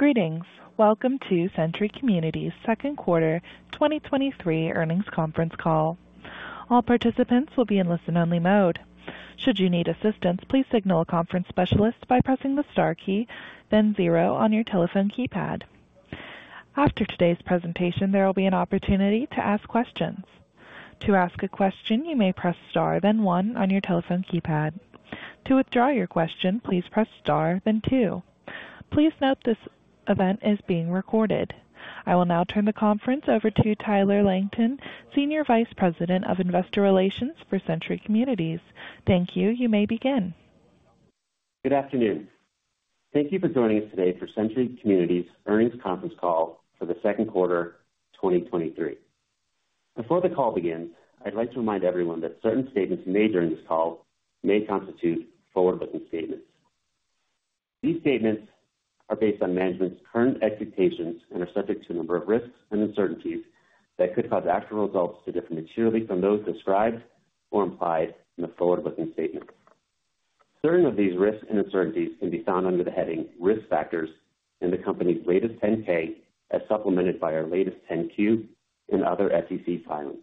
Greetings! Welcome to Century Communities' Second Quarter 2023 Earnings Conference Call. All participants will be in listen-only mode. Should you need assistance, please signal a conference specialist by pressing the star key, then zero on your telephone keypad. After today's presentation, there will be an opportunity to ask questions. To ask a question, you may press star, then one on your telephone keypad. To withdraw your question, please press star then two. Please note this event is being recorded. I will now turn the conference over to Tyler Langton, Senior Vice President of Investor Relations for Century Communities. Thank you. You may begin. Good afternoon. Thank you for joining us today for Century Communities' Earnings Conference Call for the Second Quarter 2023. Before the call begins, I'd like to remind everyone that certain statements made during this call may constitute forward-looking statements. These statements are based on management's current expectations and are subject to a number of risks and uncertainties that could cause actual results to differ materially from those described or implied in the forward-looking statement. Certain of these risks and uncertainties can be found under the heading Risk Factors in the company's latest 10-K, as supplemented by our latest 10-Q and other SEC filings.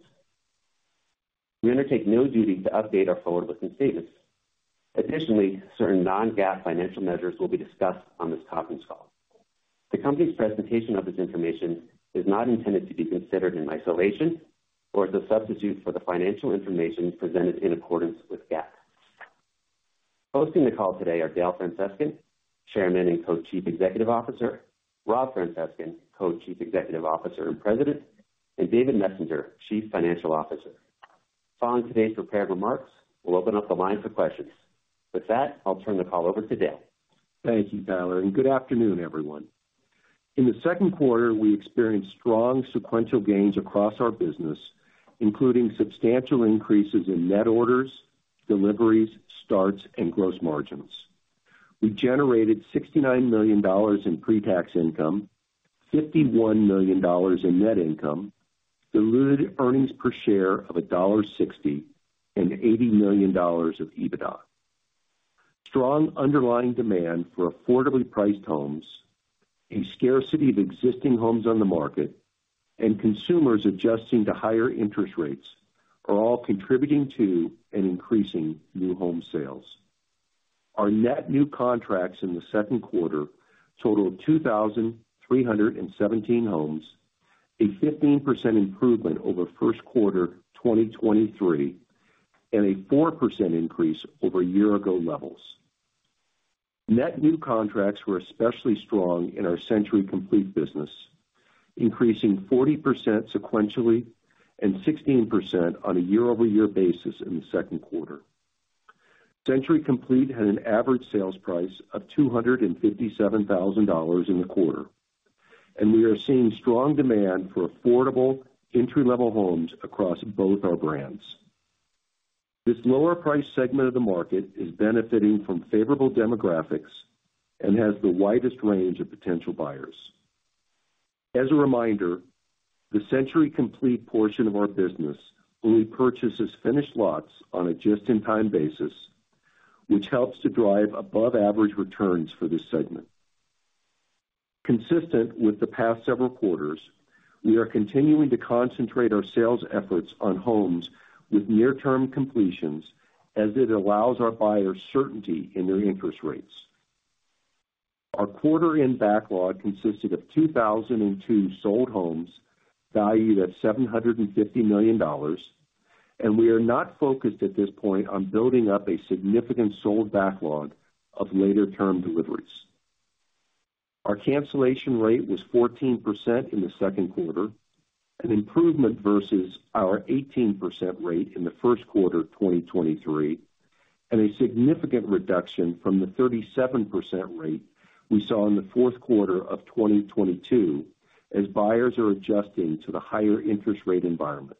We undertake no duty to update our forward-looking statements. Additionally, certain non-GAAP financial measures will be discussed on this conference call. The company's presentation of this information is not intended to be considered in isolation or as a substitute for the financial information presented in accordance with GAAP. Hosting the call today are Dale Francescon, Chairman and Co-Chief Executive Officer, Rob Francescon, Co-Chief Executive Officer and President, and David Messenger, Chief Financial Officer. Following today's prepared remarks, we'll open up the line for questions. With that, I'll turn the call over to Dale. Thank you, Tyler, and good afternoon, everyone. In the second quarter, we experienced strong sequential gains across our business, including substantial increases in net orders, deliveries, starts, and gross margins. We generated $69 million in pre-tax income, $51 million in net income, diluted earnings per share of $1.60, and $80 million of EBITDA. Strong underlying demand for affordably priced homes, a scarcity of existing homes on the market, and consumers adjusting to higher interest rates are all contributing to an increasing new home sales. Our net new contracts in the second quarter totaled 2,317 homes, a 15% improvement over first quarter 2023, and a 4% increase over year-ago levels. Net new contracts were especially strong in our Century Complete business, increasing 40% sequentially and 16% on a year-over-year basis in the second quarter. Century Complete had an average sales price of $257,000 in the quarter. We are seeing strong demand for affordable entry-level homes across both our brands. This lower price segment of the market is benefiting from favorable demographics and has the widest range of potential buyers. As a reminder, the Century Complete portion of our business only purchases finished lots on a just-in-time basis, which helps to drive above-average returns for this segment. Consistent with the past several quarters, we are continuing to concentrate our sales efforts on homes with near-term completions as it allows our buyers certainty in their interest rates. Our quarter-end backlog consisted of 2,002 sold homes, valued at $750 million. We are not focused at this point on building up a significant sold backlog of later-term deliveries. Our cancellation rate was 14% in the second quarter, an improvement versus our 18% rate in the first quarter of 2023, and a significant reduction from the 37% rate we saw in the fourth quarter of 2022, as buyers are adjusting to the higher interest rate environment.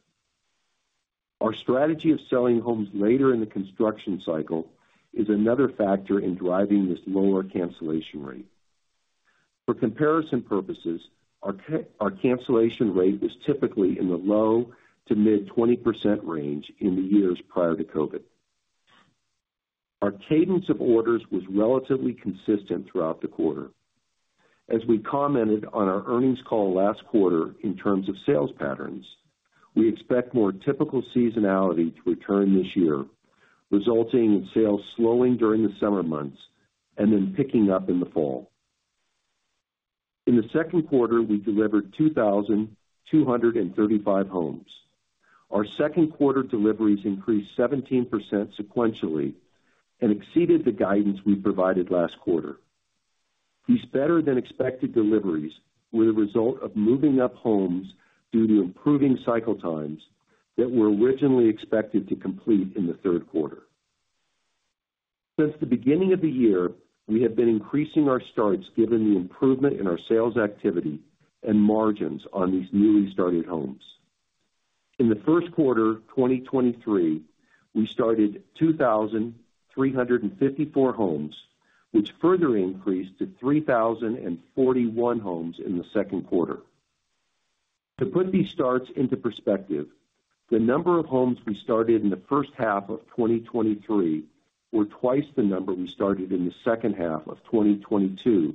Our strategy of selling homes later in the construction cycle is another factor in driving this lower cancellation rate. For comparison purposes, our cancellation rate was typically in the low to mid-20% range in the years prior to COVID. Our cadence of orders was relatively consistent throughout the quarter. As we commented on our earnings call last quarter in terms of sales patterns, we expect more typical seasonality to return this year, resulting in sales slowing during the summer months and then picking up in the fall. In the second quarter, we delivered 2,235 homes. Our second quarter deliveries increased 17% sequentially and exceeded the guidance we provided last quarter. These better-than-expected deliveries were the result of moving up homes due to improving cycle times that were originally expected to complete in the third quarter. Since the beginning of the year, we have been increasing our starts given the improvement in our sales activity and margins on these newly started homes. In the first quarter of 2023, we started 2,354 homes, which further increased to 3,041 homes in the second quarter. To put these starts into perspective, the number of homes we started in the first half of 2023 were twice the number we started in the second half of 2022,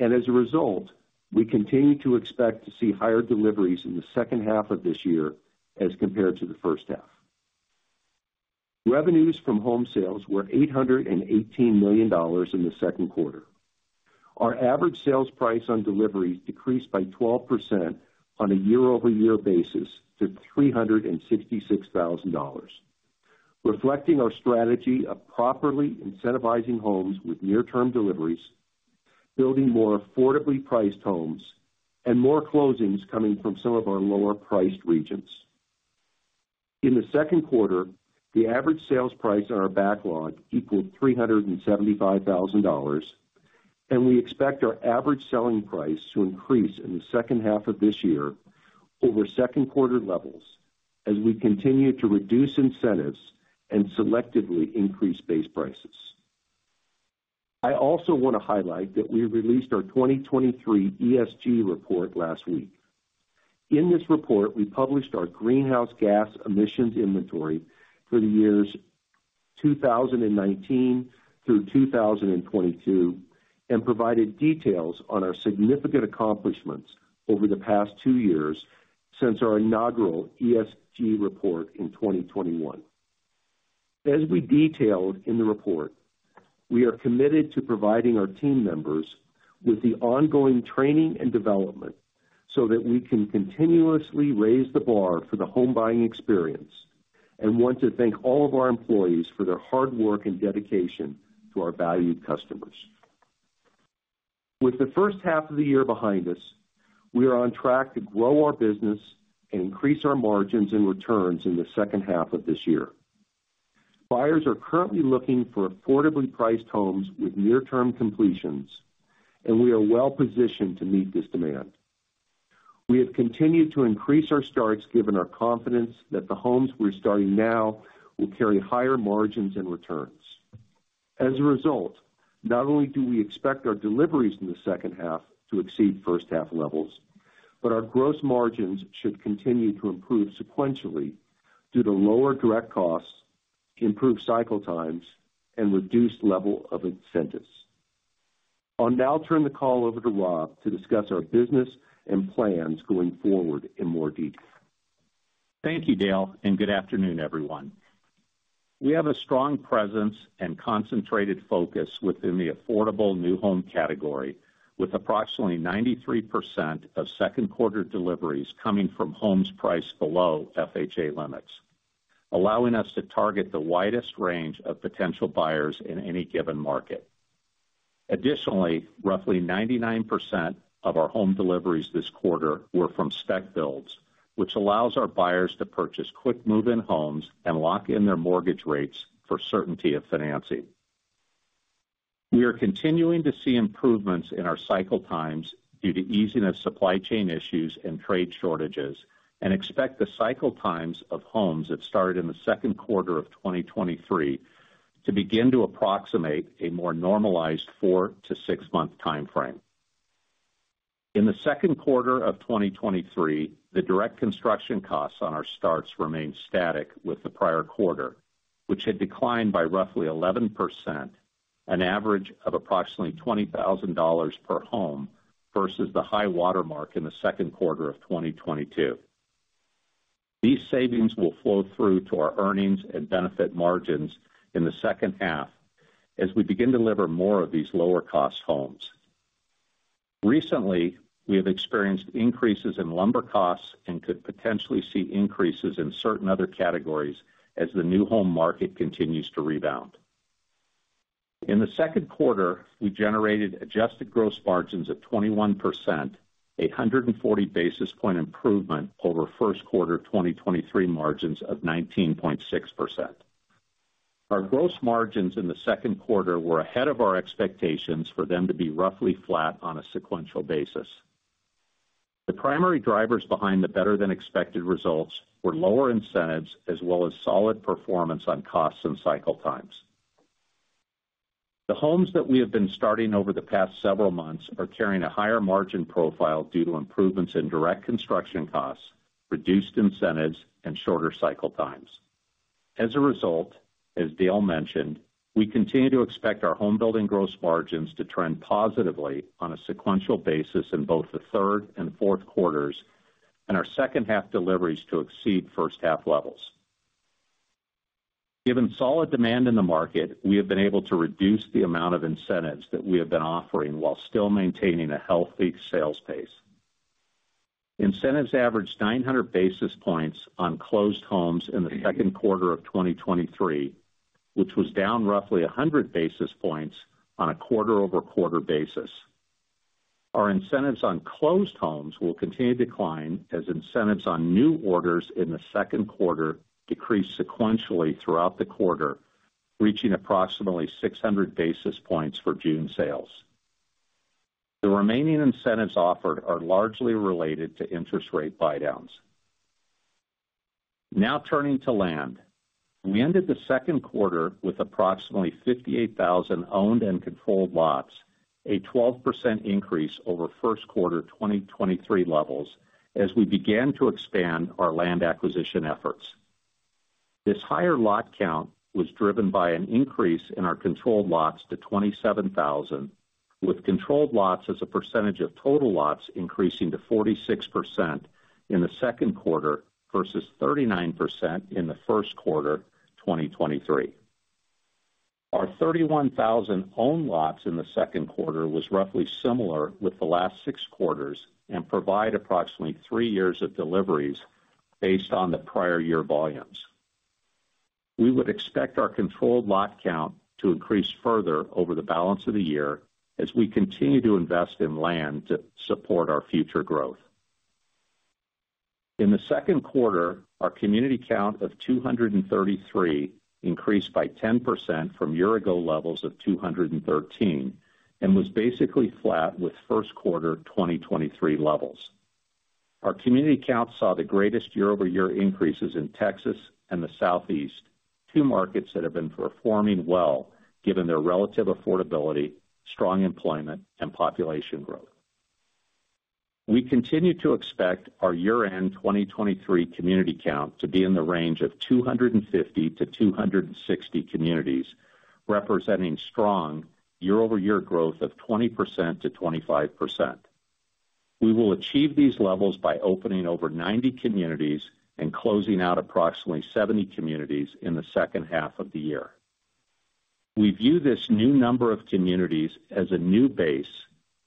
and as a result, we continue to expect to see higher deliveries in the second half of this year as compared to the first half. Revenues from home sales were $818 million in the second quarter. Our average sales price on deliveries decreased by 12% on a year-over-year basis to $366,000, reflecting our strategy of properly incentivizing homes with near-term deliveries, building more affordably priced homes, and more closings coming from some of our lower-priced regions. In the second quarter, the average sales price on our backlog equaled $375,000. We expect our average selling price to increase in the second half of this year over second quarter levels as we continue to reduce incentives and selectively increase base prices. I also want to highlight that we released our 2023 ESG report last week. In this report, we published our greenhouse gas emissions inventory for the years 2019-2022, and provided details on our significant accomplishments over the past two years since our inaugural ESG report in 2021. As we detailed in the report, we are committed to providing our team members with the ongoing training and development so that we can continuously raise the bar for the home buying experience and want to thank all of our employees for their hard work and dedication to our valued customers. With the first half of the year behind us, we are on track to grow our business and increase our margins and returns in the second half of this year. Buyers are currently looking for affordably priced homes with near-term completions, and we are well positioned to meet this demand. We have continued to increase our starts, given our confidence that the homes we're starting now will carry higher margins and returns. As a result, not only do we expect our deliveries in the second half to exceed first half levels, but our gross margins should continue to improve sequentially due to lower direct costs, improved cycle times, and reduced level of incentives. I'll now turn the call over to Rob to discuss our business and plans going forward in more detail. Thank you, Dale. Good afternoon, everyone. We have a strong presence and concentrated focus within the affordable new home category, with approximately 93% of second quarter deliveries coming from homes priced below FHA limits, allowing us to target the widest range of potential buyers in any given market. Additionally, roughly 99% of our home deliveries this quarter were from spec builds, which allows our buyers to purchase quick move-in homes and lock in their mortgage rates for certainty of financing. We are continuing to see improvements in our cycle times due to easing of supply chain issues and trade shortages, and expect the cycle times of homes that started in the second quarter of 2023 to begin to approximate a more normalized 4-6 month time frame. In the second quarter of 2023, the direct construction costs on our starts remained static with the prior quarter, which had declined by roughly 11%, an average of approximately $20,000 per home versus the high water mark in the second quarter of 2022. These savings will flow through to our earnings and benefit margins in the second half as we begin to deliver more of these lower-cost homes. Recently, we have experienced increases in lumber costs and could potentially see increases in certain other categories as the new home market continues to rebound. In the second quarter, we generated adjusted gross margins of 21%, a 140 basis point improvement over first quarter of 2023 margins of 19.6%. Our gross margins in the second quarter were ahead of our expectations for them to be roughly flat on a sequential basis. The primary drivers behind the better-than-expected results were lower incentives, as well as solid performance on costs and cycle times. The homes that we have been starting over the past several months are carrying a higher margin profile due to improvements in direct construction costs, reduced incentives, and shorter cycle times. As a result, as Dale mentioned, we continue to expect our home building gross margins to trend positively on a sequential basis in both the third and fourth quarters, and our second half deliveries to exceed first half levels. Given solid demand in the market, we have been able to reduce the amount of incentives that we have been offering while still maintaining a healthy sales pace. Incentives averaged 900 basis points on closed homes in the second quarter of 2023, which was down roughly 100 basis points on a quarter-over-quarter basis. Our incentives on closed homes will continue to decline as incentives on new orders in the second quarter decreased sequentially throughout the quarter, reaching approximately 600 basis points for June sales. The remaining incentives offered are largely related to interest rate buydowns. Now turning to land. We ended the second quarter with approximately 58,000 owned and controlled lots, a 12% increase over first quarter 2023 levels as we began to expand our land acquisition efforts. This higher lot count was driven by an increase in our controlled lots to 27,000, with controlled lots as a percentage of total lots increasing to 46% in the second quarter, versus 39% in the first quarter 2023. Our 31,000 owned lots in the second quarter was roughly similar with the last 6 quarters and provide approximately 3 years of deliveries based on the prior year volumes. We would expect our controlled lot count to increase further over the balance of the year as we continue to invest in land to support our future growth. In the second quarter, our community count of 233 increased by 10% from year-ago levels of 213, and was basically flat with first quarter 2023 levels. Our community count saw the greatest year-over-year increases in Texas and the Southeast, two markets that have been performing well, given their relative affordability, strong employment, and population growth. We continue to expect our year-end 2023 community count to be in the range of 250-260 communities, representing strong year-over-year growth of 20%-25%. We will achieve these levels by opening over 90 communities and closing out approximately 70 communities in the second half of the year. We view this new number of communities as a new base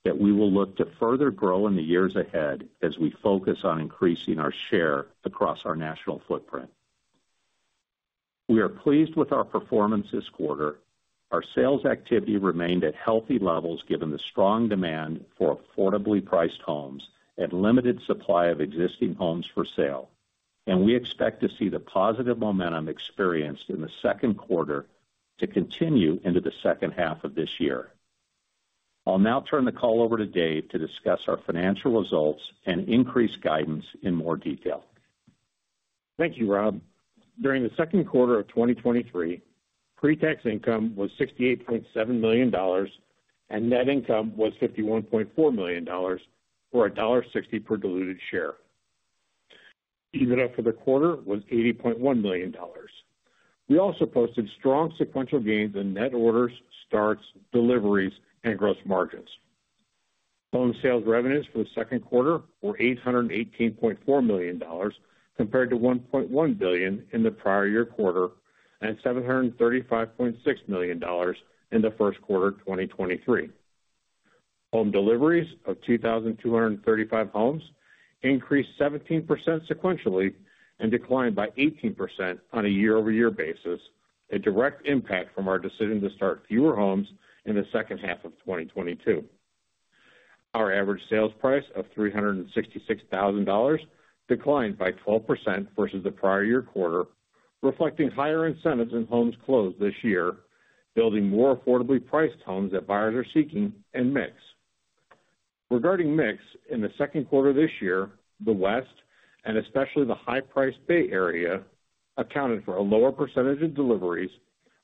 that we will look to further grow in the years ahead as we focus on increasing our share across our national footprint. We are pleased with our performance this quarter. Our sales activity remained at healthy levels, given the strong demand for affordably priced homes and limited supply of existing homes for sale, and we expect to see the positive momentum experienced in the second quarter to continue into the second half of this year. I'll now turn the call over to Dave to discuss our financial results and increase guidance in more detail. Thank you, Rob. During the second quarter of 2023, pre-tax income was $68.7 million, and net income was $51.4 million, or $1.60 per diluted share. EBITDA for the quarter was $80.1 million. We also posted strong sequential gains in net orders, starts, deliveries, and gross margins. Home sales revenues for the second quarter were $818.4 million, compared to $1.1 billion in the prior year quarter, and $735.6 million in the first quarter 2023. Home deliveries of 2,235 homes increased 17% sequentially and declined by 18% on a year-over-year basis, a direct impact from our decision to start fewer homes in the second half of 2022. Our average sales price of $366,000 declined by 12% versus the prior year quarter, reflecting higher incentives in homes closed this year, building more affordably priced homes that buyers are seeking and mix. Regarding mix, in the second quarter this year, the West, and especially the high-priced Bay Area, accounted for a lower percentage of deliveries,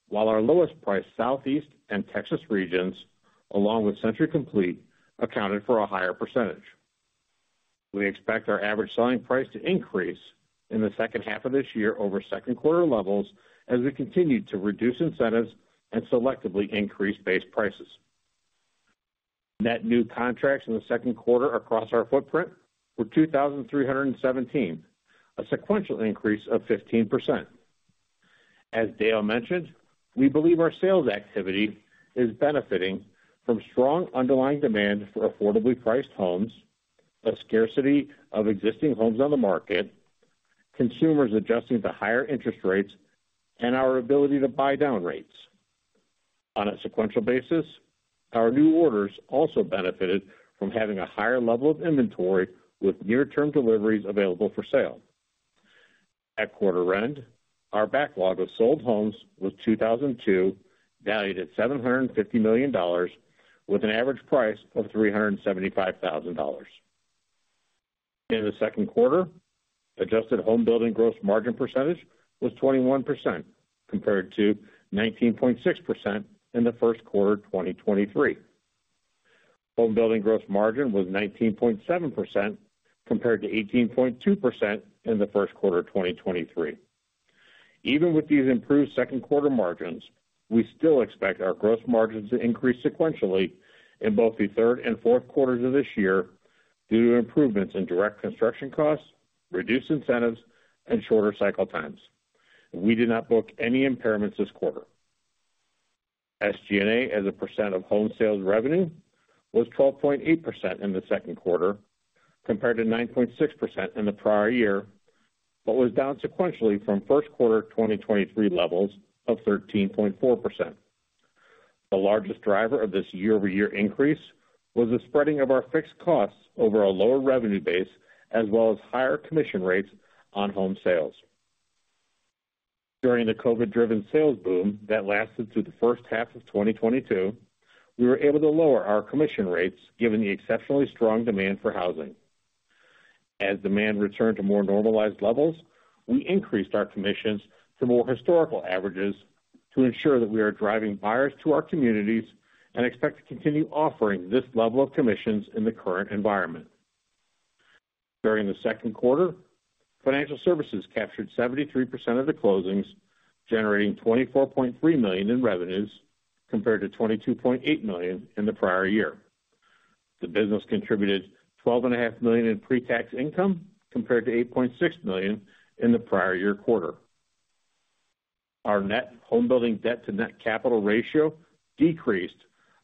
while our lowest price, Southeast and Texas regions, along with Century Complete, accounted for a higher percentage. We expect our average selling price to increase in the second half of this year over second quarter levels as we continue to reduce incentives and selectively increase base prices. Net new contracts in the second quarter across our footprint were 2,317, a sequential increase of 15%. As Dale mentioned, we believe our sales activity is benefiting from strong underlying demand for affordably priced homes, a scarcity of existing homes on the market, consumers adjusting to higher interest rates, and our ability to buy down rates. On a sequential basis, our new orders also benefited from having a higher level of inventory with near-term deliveries available for sale. At quarter end, our backlog of sold homes was 2,002, valued at $750 million, with an average price of $375,000. In the second quarter, adjusted home building gross margin percentage was 21%, compared to 19.6% in the first quarter 2023. Home building gross margin was 19.7%, compared to 18.2% in the first quarter 2023. Even with these improved second quarter margins, we still expect our gross margins to increase sequentially in both the third and fourth quarters of this year due to improvements in direct construction costs, reduced incentives, and shorter cycle times. We did not book any impairments this quarter. SG&A, as a percent of home sales revenue, was 12.8% in the second quarter, compared to 9.6% in the prior year, but was down sequentially from first quarter 2023 levels of 13.4%. The largest driver of this year-over-year increase was the spreading of our fixed costs over a lower revenue base, as well as higher commission rates on home sales.... during the COVID-driven sales boom that lasted through the first half of 2022, we were able to lower our commission rates given the exceptionally strong demand for housing. As demand returned to more normalized levels, we increased our commissions to more historical averages to ensure that we are driving buyers to our communities and expect to continue offering this level of commissions in the current environment. During the second quarter, financial services captured 73% of the closings, generating $24.3 million in revenues, compared to $22.8 million in the prior year. The business contributed $12 and a half million in pre-tax income, compared to $8.6 million in the prior year quarter. Our net homebuilding debt to net capital ratio decreased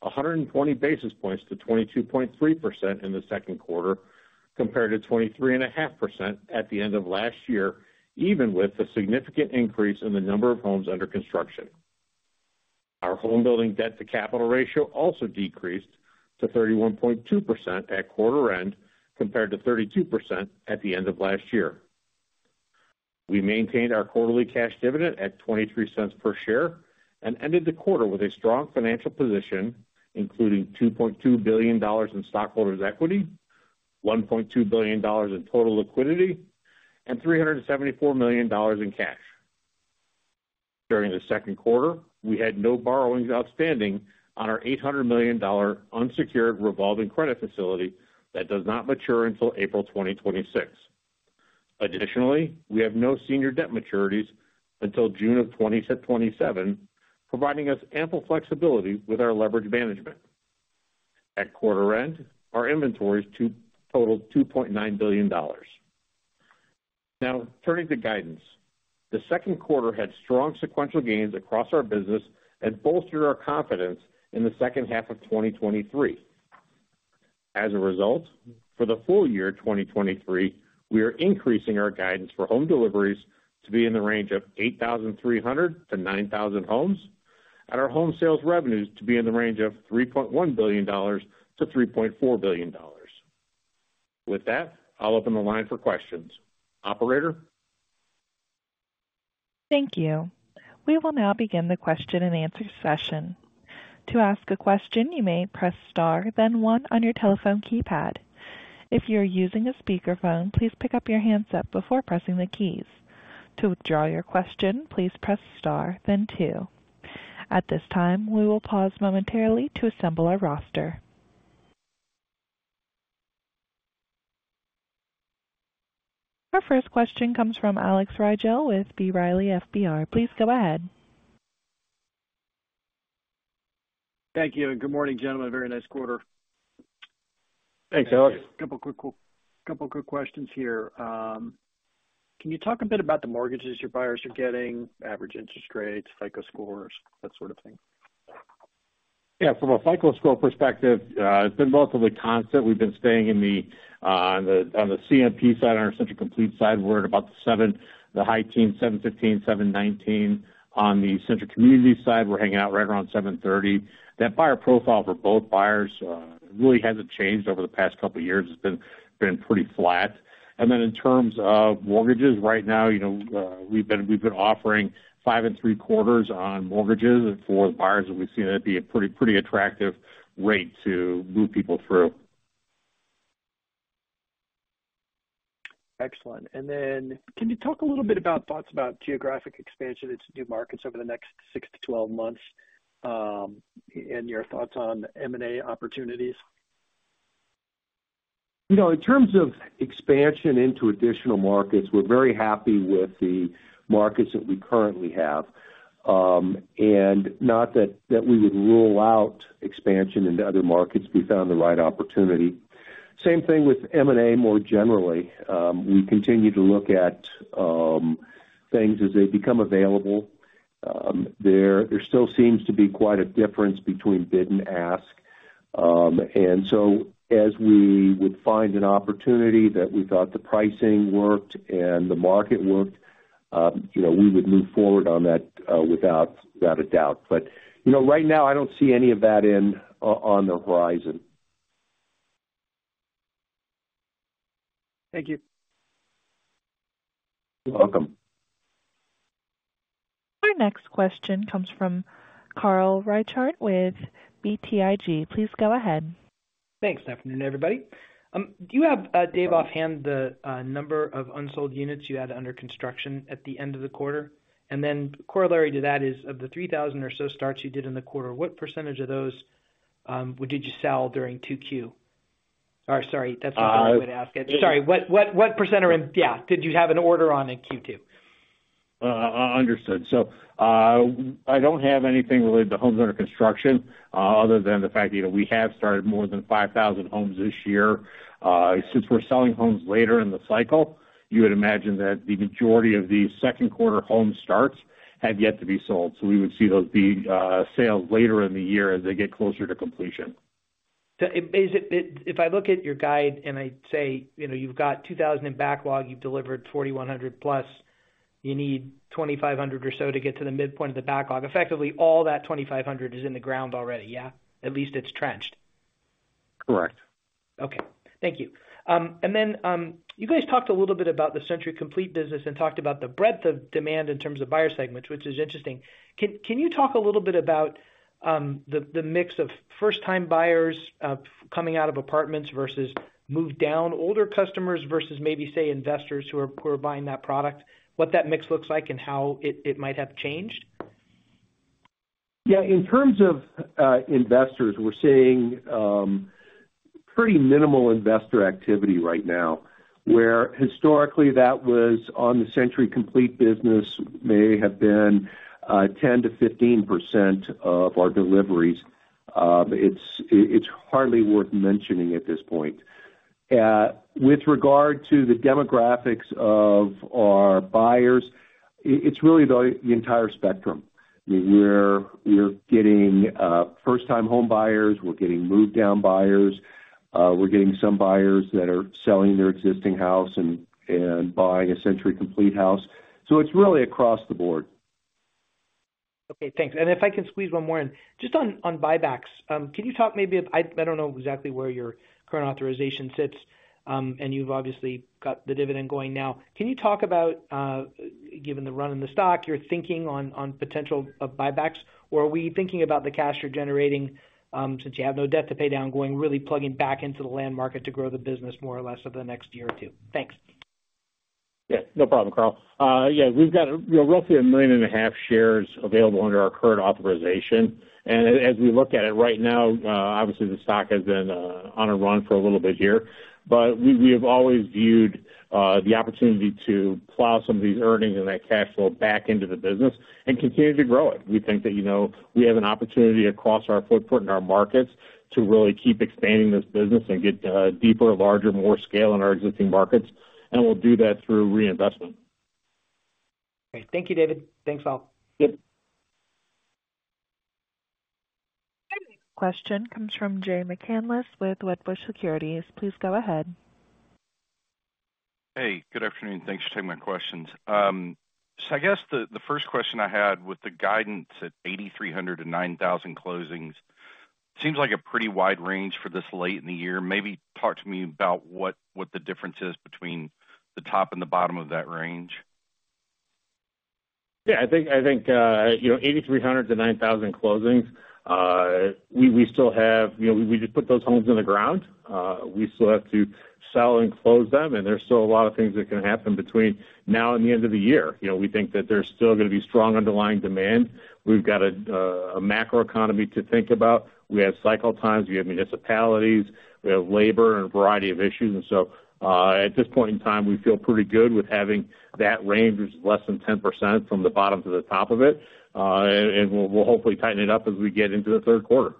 120 basis points to 22.3% in the second quarter, compared to 23.5% at the end of last year, even with the significant increase in the number of homes under construction. Our homebuilding debt to capital ratio also decreased to 31.2% at quarter end, compared to 32% at the end of last year. We maintained our quarterly cash dividend at $0.23 per share and ended the quarter with a strong financial position, including $2.2 billion in stockholders' equity, $1.2 billion in total liquidity, and $374 million in cash. During the second quarter, we had no borrowings outstanding on our $800 million unsecured revolving credit facility that does not mature until April 2026. Additionally, we have no senior debt maturities until June 2027, providing us ample flexibility with our leverage management. At quarter end, our inventories totaled $2.9 billion. Now, turning to guidance. The second quarter had strong sequential gains across our business and bolstered our confidence in the second half of 2023. For the full year 2023, we are increasing our guidance for home deliveries to be in the range of 8,300-9,000 homes, and our home sales revenues to be in the range of $3.1 billion-$3.4 billion. With that, I'll open the line for questions. Operator? Thank you. We will now begin the question-and-answer session. To ask a question, you may press star, then one on your telephone keypad. If you're using a speakerphone, please pick up your handset before pressing the keys. To withdraw your question, please press star then two. At this time, we will pause momentarily to assemble our roster. Our first question comes from Alex Rygiel with B. Riley Securities. Please go ahead. Thank you, and good morning, gentlemen. Very nice quarter. Thanks, Alex. Couple quick questions here. Can you talk a bit about the mortgages your buyers are getting, average interest rates, FICO scores, that sort of thing? Yeah, from a FICO score perspective, it's been relatively constant. We've been staying in the, on the, on the CMP side, on our Century Complete side, we're at about the 7, the high teens, 715, 719. On the Century Communities side, we're hanging out right around 730. That buyer profile for both buyers really hasn't changed over the past couple of years. It's been pretty flat. In terms of mortgages, right now, you know, we've been offering five and three quarters on mortgages for the buyers, and we've seen that be a pretty attractive rate to move people through. Excellent. Can you talk a little bit about thoughts about geographic expansion into new markets over the next 6 to 12 months, and your thoughts on M&A opportunities? You know, in terms of expansion into additional markets, we're very happy with the markets that we currently have. Not that we would rule out expansion into other markets if we found the right opportunity. Same thing with M&A more generally. We continue to look at things as they become available. There still seems to be quite a difference between bid and ask. So as we would find an opportunity that we thought the pricing worked and the market worked, you know, we would move forward on that without a doubt. You know, right now, I don't see any of that in, on the horizon. Thank you. You're welcome. Our next question comes from Carl Reichardt with BTIG. Please go ahead. Thanks. Good afternoon, everybody. Do you have, Dave, offhand, the number of unsold units you had under construction at the end of the quarter? Corollary to that is, of the 3,000 or so starts you did in the quarter, what % of those, did you sell during 2Q? Sorry, that's not what I would ask. Sorry, what %? Yeah, did you have an order on in Q2? Understood. I don't have anything related to homes under construction, other than the fact that we have started more than 5,000 homes this year. Since we're selling homes later in the cycle, you would imagine that the majority of the second quarter home starts have yet to be sold. We would see those being sold later in the year as they get closer to completion. If I look at your guide and I say, you know, you've got 2,000 in backlog, you've delivered 4,100+, you need 2,500 or so to get to the midpoint of the backlog. Effectively, all that 2,500 is in the ground already, yeah? At least it's trenched. Correct. Okay, thank you. You guys talked a little bit about the Century Complete business and talked about the breadth of demand in terms of buyer segments, which is interesting. Can you talk a little bit about the mix of first-time buyers coming out of apartments versus move down older customers versus maybe, say, investors who are buying that product? What that mix looks like and how it might have changed? In terms of investors, we're seeing pretty minimal investor activity right now, where historically that was on the Century Complete business may have been 10%-15% of our deliveries. It's hardly worth mentioning at this point. With regard to the demographics of our buyers, it's really the entire spectrum. We're getting first-time homebuyers, we're getting move down buyers, we're getting some buyers that are selling their existing house and buying a Century Complete house. It's really across the board. Okay, thanks. If I can squeeze one more in. Just on buybacks, can you talk maybe, I don't know exactly where your current authorization sits, and you've obviously got the dividend going now. Can you talk about, given the run in the stock, you're thinking on potential of buybacks? Or are we thinking about the cash you're generating, since you have no debt to pay down, going really plugging back into the land market to grow the business more or less over the next year or two? Thanks. Yeah, no problem, Carl. Yeah, we've got, you know, roughly 1.5 million shares available under our current authorization. As we look at it right now, obviously, the stock has been on a run for a little bit here, but we have always viewed the opportunity to plow some of these earnings and that cash flow back into the business and continue to grow it. We think that, you know, we have an opportunity across our footprint in our markets to really keep expanding this business and get deeper, larger, more scale in our existing markets, and we'll do that through reinvestment. Great. Thank you, David. Thanks all. Yep. Our next question comes from Jay McCanless with Wedbush Securities. Please go ahead. Hey, good afternoon. Thanks for taking my questions. I guess the first question I had with the guidance at 8,300 to 9,000 closings, seems like a pretty wide range for this late in the year. Maybe talk to me about what the difference is between the top and the bottom of that range? Yeah, I think, you know, 8,300-9,000 closings. You know, we just put those homes in the ground. We still have to sell and close them, and there's still a lot of things that can happen between now and the end of the year. You know, we think that there's still going to be strong underlying demand. We've got a macroeconomy to think about. We have cycle times, we have municipalities, we have labor and a variety of issues. At this point in time, we feel pretty good with having that range, which is less than 10% from the bottom to the top of it. We'll hopefully tighten it up as we get into the third quarter.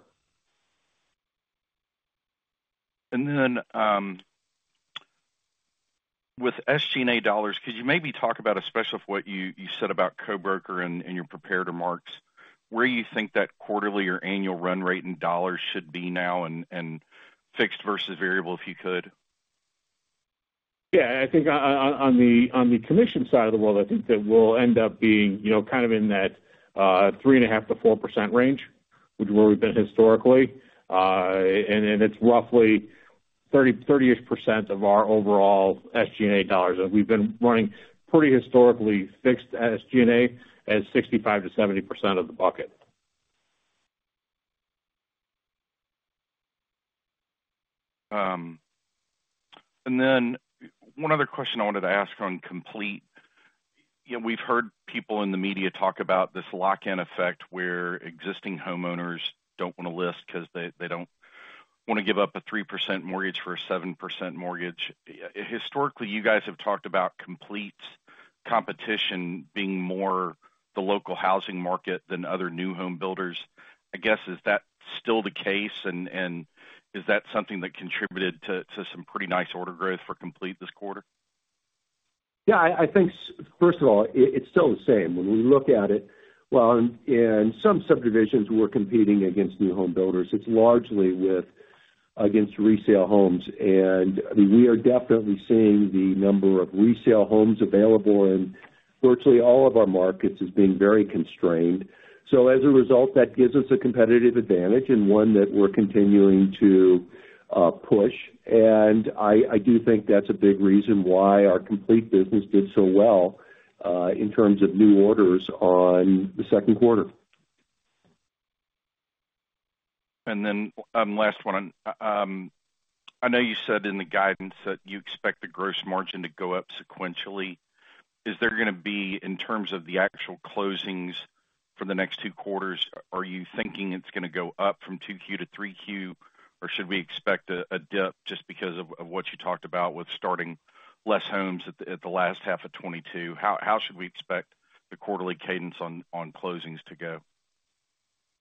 With SG&A dollars, could you maybe talk about, especially what you said about co-broker and your prepared remarks, where you think that quarterly or annual run rate in dollars should be now and fixed versus variable, if you could? Yeah, I think on the commission side of the world, I think that we'll end up being, you know, kind of in that 3.5%-4% range, which is where we've been historically. It's roughly 30-ish percent of our overall $ SG&A. We've been running pretty historically fixed SG&A as 65%-70% of the bucket. One other question I wanted to ask on Complete. You know, we've heard people in the media talk about this lock-in effect, where existing homeowners don't want to list because they don't want to give up a 3% mortgage for a 7% mortgage. Historically, you guys have talked about Complete's competition being more the local housing market than other new home builders. I guess, is that still the case? Is that something that contributed to some pretty nice order growth for Complete this quarter? Yeah, I think first of all, it's still the same. When we look at it, well, in some subdivisions, we're competing against new home builders. It's largely against resale homes. We are definitely seeing the number of resale homes available in virtually all of our markets as being very constrained. As a result, that gives us a competitive advantage and one that we're continuing to push. I do think that's a big reason why our Complete business did so well in terms of new orders on the second quarter. Then, last one. I know you said in the guidance that you expect the gross margin to go up sequentially. Is there going to be, in terms of the actual closings for the next two quarters, are you thinking it's going to go up from 2Q to 3Q, or should we expect a dip just because of what you talked about with starting less homes at the last half of 2022? How should we expect the quarterly cadence on closings to go?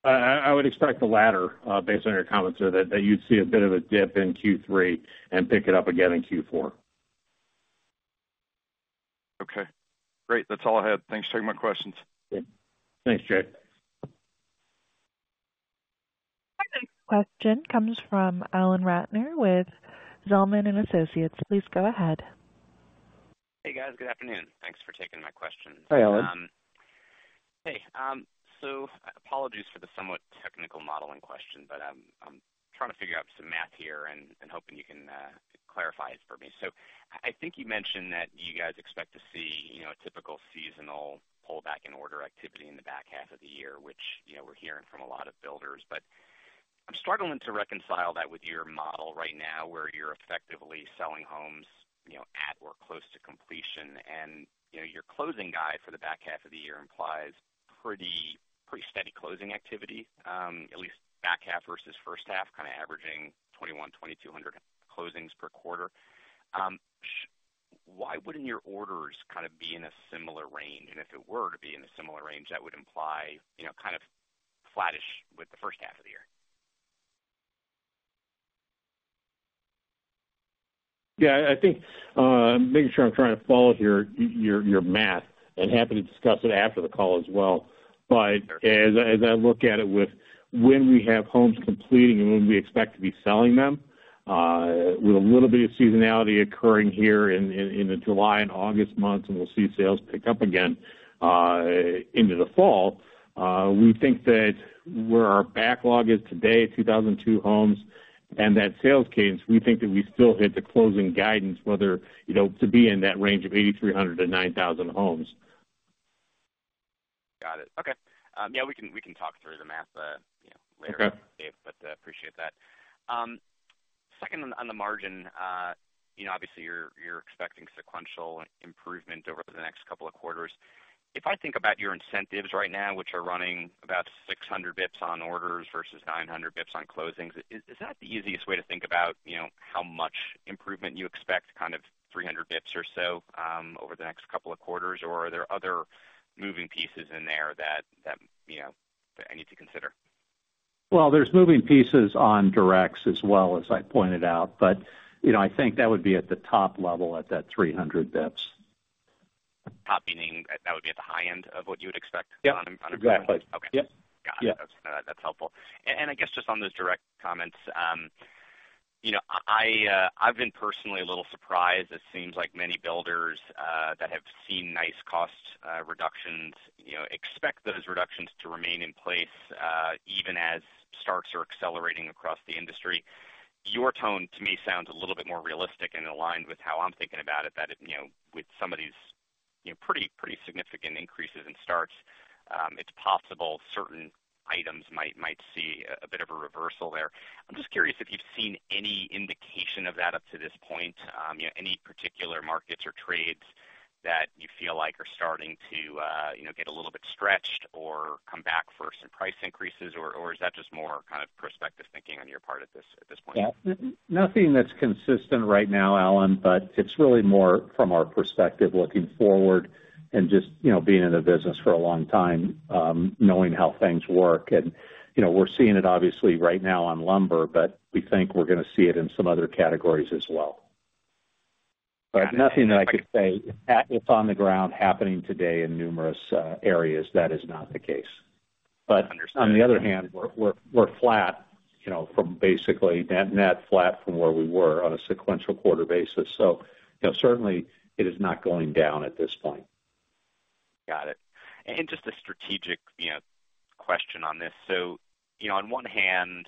I would expect the latter, based on your comments there, that you'd see a bit of a dip in Q3 and pick it up again in Q4. Okay, great. That's all I had. Thanks for taking my questions. Thanks, Jay. Our next question comes from Alan Ratner with Zelman & Associates. Please go ahead. Hey, guys, good afternoon. Thanks for taking my question. Hi, Alan. Apologies for the somewhat technical modeling question, but I'm trying to figure out some math here and hoping you can clarify it for me. I think you mentioned that you guys expect to see, you know, a typical seasonal pullback in order activity in the back half of the year, which, you know, we're hearing from a lot of builders. I'm struggling to reconcile that with your model right now, where you're effectively selling homes, you know, at or close to completion. You know, your closing guide for the back half of the year implies pretty steady closing activity, at least back half versus first half, kind of averaging 2,100-2,200 closings per quarter. Why wouldn't your orders kind of be in a similar range? If it were to be in a similar range, that would imply, you know, kind of flattish with the first half of the year. Yeah, I think, making sure I'm trying to follow your math and happy to discuss it after the call as well. As I look at it with when we have homes completing and when we expect to be selling them, with a little bit of seasonality occurring here in the July and August months, and we'll see sales pick up again into the fall, we think that where our backlog is today, 2,002 homes, and that sales cadence, we think that we still hit the closing guidance, whether, you know, to be in that range of 8,300-9,000 homes. Got it. Okay. Yeah, we can, we can talk through the math, you know, later- Okay. Appreciate that. Second, on the margin, you know, obviously you're expecting sequential improvement over the next couple of quarters. If I think about your incentives right now, which are running about 600 BPS on orders versus 900 BPS on closings, is that the easiest way to think about, you know, how much improvement you expect, kind of 300 BPS or so, over the next couple of quarters? Or are there other moving pieces in there that, you know, that I need to consider? There's moving pieces on directs as well, as I pointed out. you know, I think that would be at the top level at that 300 basis points. Top, meaning that would be at the high end of what you would expect? Yep, exactly. Okay. Yep. Got it. Yeah. That's helpful. I guess, just on those direct comments, you know, I've been personally a little surprised. It seems like many builders that have seen nice cost reductions, you know, expect those reductions to remain in place even as starts are accelerating across the industry. Your tone, to me, sounds a little bit more realistic and aligned with how I'm thinking about it, that, you know, with some of these, you know, pretty significant increases in starts, it's possible certain items might see a bit of a reversal there. I'm just curious if you've seen any indication of that up to this point, you know, any particular markets or trades that you feel like are starting to, you know, get a little bit stretched or come back for some price increases? Is that just more kind of perspective thinking on your part at this point? Yeah. Nothing that's consistent right now, Alan, it's really more from our perspective looking forward and just, you know, being in the business for a long time, knowing how things work. You know, we're seeing it obviously right now on lumber, but we think we're going to see it in some other categories as well. Nothing that I could say that is on the ground happening today in numerous areas, that is not the case. Understood. On the other hand, we're flat, you know, from basically net flat from where we were on a sequential quarter basis. You know, certainly it is not going down at this point. Got it. Just a strategic, you know, question on this: so, you know, on one hand,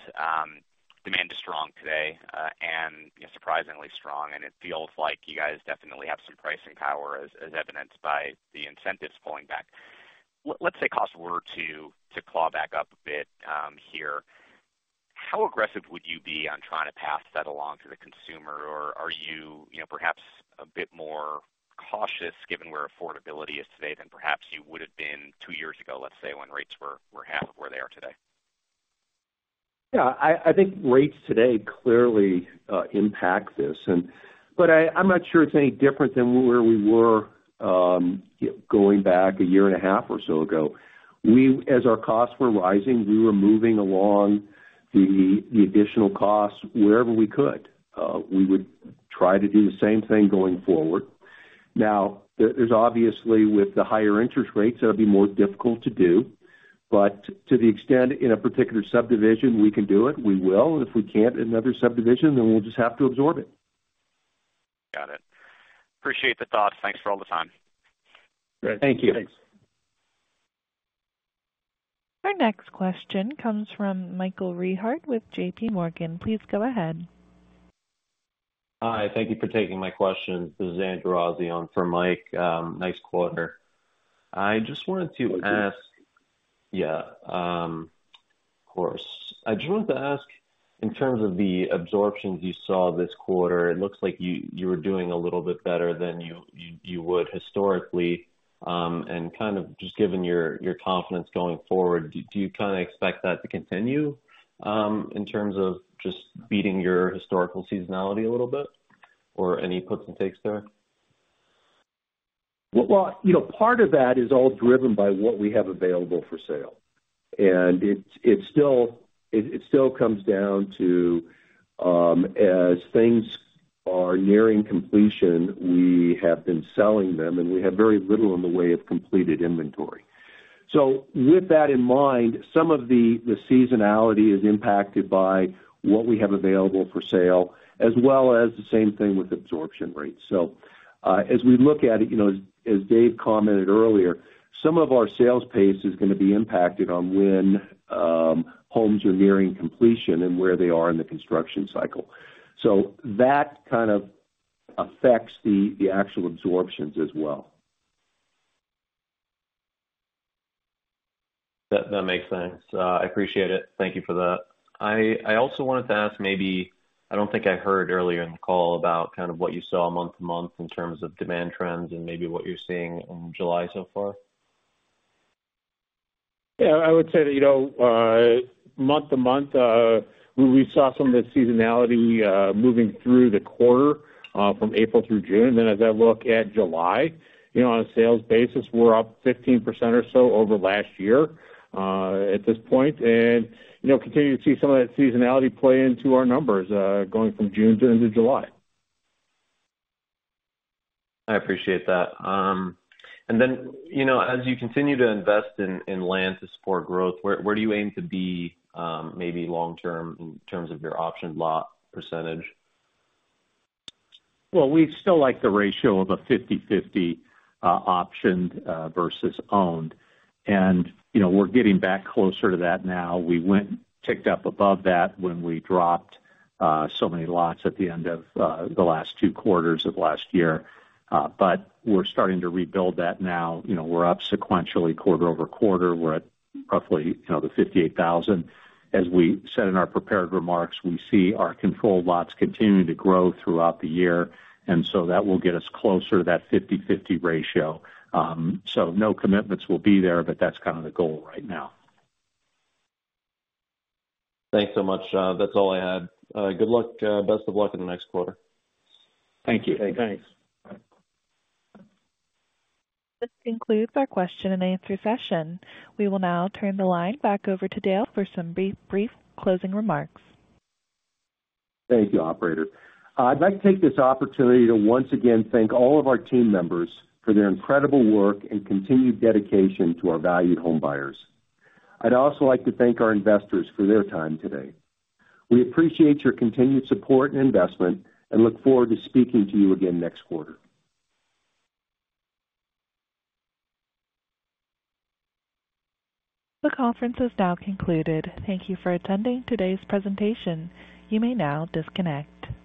demand is strong today, and surprisingly strong, and it feels like you guys definitely have some pricing power, as evidenced by the incentives pulling back. Let's say costs were to claw back up a bit here. How aggressive would you be on trying to pass that along to the consumer? Are you know, perhaps a bit more cautious given where affordability is today than perhaps you would have been two years ago, let's say, when rates were half of where they are today? Yeah, I think rates today clearly impact this. I'm not sure it's any different than where we were going back a year and a half or so ago. As our costs were rising, we were moving along the additional costs wherever we could. We would try to do the same thing going forward. There's obviously, with the higher interest rates, that'll be more difficult to do, but to the extent in a particular subdivision, we can do it, we will. If we can't in another subdivision, we'll just have to absorb it. Got it. Appreciate the thoughts. Thanks for all the time. Great. Thank you. Our next question comes from Michael Rehaut with JPMorgan. Please go ahead. Hi, thank you for taking my question. This is Andrew Azzi on for Mike. Nice quarter. I just wanted to ask, yeah, of course. I just wanted to ask, in terms of the absorptions you saw this quarter, it looks like you were doing a little bit better than you would historically. And kind of just given your confidence going forward, do you kind of expect that to continue, in terms of just beating your historical seasonality a little bit, or any puts and takes there? Well, you know, part of that is all driven by what we have available for sale. It still comes down to, as things are nearing completion, we have been selling them, and we have very little in the way of completed inventory. With that in mind, some of the seasonality is impacted by what we have available for sale, as well as the same thing with absorption rates. As we look at it, you know, as Dave commented earlier, some of our sales pace is gonna be impacted on when homes are nearing completion and where they are in the construction cycle. That kind of affects the actual absorptions as well. That makes sense. I appreciate it. Thank you for that. I also wanted to ask, maybe, I don't think I heard earlier in the call about kind of what you saw month to month in terms of demand trends and maybe what you're seeing in July so far. Yeah, I would say that, you know, month to month, we saw some of the seasonality, moving through the quarter, from April through June. As I look at July, you know, on a sales basis, we're up 15% or so over last year, at this point, and, you know, continue to see some of that seasonality play into our numbers, going from June into July. I appreciate that. You know, as you continue to invest in land to support growth, where do you aim to be maybe long term in terms of your option lot percentage? We still like the ratio of a 50/50 optioned versus owned, and, you know, we're getting back closer to that now. We ticked up above that when we dropped so many lots at the end of the last 2 quarters of last year. We're starting to rebuild that now. You know, we're up sequentially, quarter-over-quarter. We're at roughly, you know, the 58,000. As we said in our prepared remarks, we see our controlled lots continuing to grow throughout the year, that will get us closer to that 50/50 ratio. No commitments will be there, but that's kind of the goal right now. Thanks so much. That's all I had. Good luck. Best of luck in the next quarter. Thank you. Thanks. This concludes our question and answer session. We will now turn the line back over to Dave for some brief closing remarks. Thank you, operator. I'd like to take this opportunity to once again thank all of our team members for their incredible work and continued dedication to our valued homebuyers. I'd also like to thank our investors for their time today. We appreciate your continued support and investment and look forward to speaking to you again next quarter. The conference is now concluded. Thank you for attending today's presentation. You may now disconnect.